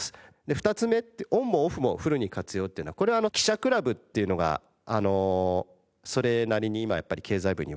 ２つ目「オンもオフもフルに活用」っていうのはこれはあの記者クラブっていうのがそれなりに今やっぱり経済部にはあります。